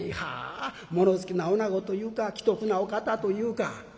物好きなおなごというか奇特なお方というか。